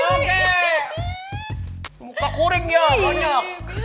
jadi kalian jalan ternyata split